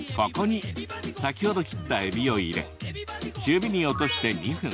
ここに先ほど切ったえびを入れ中火に落として２分。